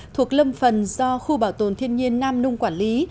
thuộc lâm phần do khu bảo tồn thiên nhiên nam nung quản lý